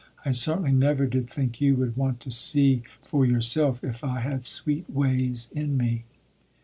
I certainly never did think you would want to see for yourself if I had sweet ways in me."